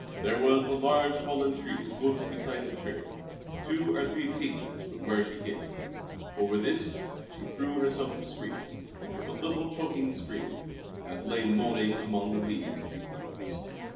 There was a large fallen tree close beside the trail, two or three paces from where she hid. Over this she threw herself discreetly, with a little choking scream, and lay moaning among the leaves beside it.